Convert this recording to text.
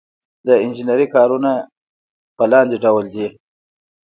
د انجنیری کارونه په لاندې ډول دي.